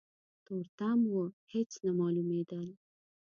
تورتم و هيڅ نه مالومېدل.